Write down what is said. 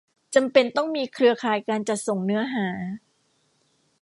จำเป็นต้องมีเครือข่ายการจัดส่งเนื้อหา